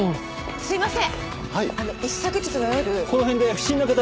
すいません。